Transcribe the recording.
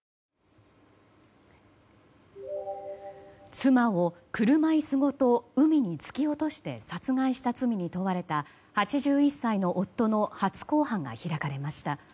妻を車椅子ごと海に突き落として殺害した罪に問われた８１歳の夫の初公判が開かれました。